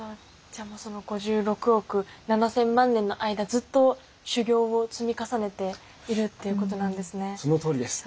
じゃあもうその５６億７，０００万年の間ずっと修行を積み重ねているっていうことなんですね。